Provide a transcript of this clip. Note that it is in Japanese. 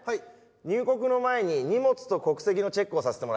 入国の前に荷物と国籍のチェックをさせてもらいます。